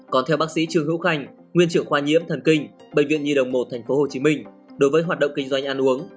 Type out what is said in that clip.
còn theo bác sĩ trương hữu khanh nguyên trưởng khoa nhiễm thần kinh bệnh viện nhi đồng một tp hcm đối với hoạt động kinh doanh ăn uống